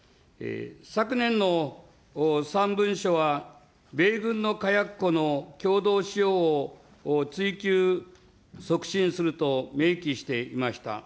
昨年の３文書は、米軍の火薬庫の共同使用をついきゅう、促進すると明記していました。